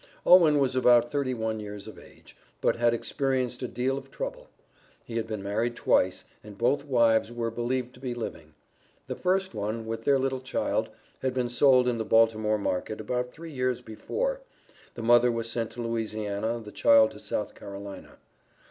Owen was about thirty one years of age, but had experienced a deal of trouble. He had been married twice, and both wives were believed to be living. The first one, with their little child, had been sold in the Baltimore market, about three years before, the mother was sent to Louisiana, the child to South Carolina.